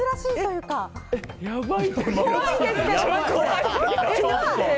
怖いんですけど！